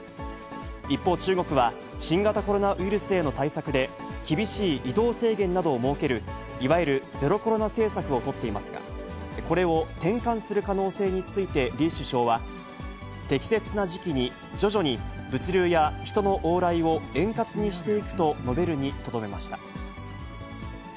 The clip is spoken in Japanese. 一方、中国は新型コロナウイルスへの対策で、厳しい移動制限などを設ける、いわゆるゼロコロナ政策を取っていますが、これを転換する可能性について李首相は、適切な時期に、徐々に物流や人の往来を円滑にしていくと述べるにとどめました。